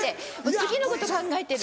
次のこと考えてる。